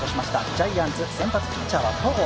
ジャイアンツ先発ピッチャーは戸郷、